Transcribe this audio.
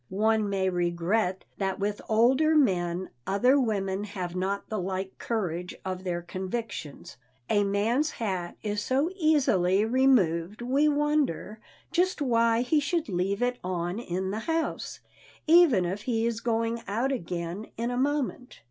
One may regret that with older men other women have not the like courage of their convictions. A man's hat is so easily removed we wonder just why he should leave it on in the house, even if he is going out again in a moment.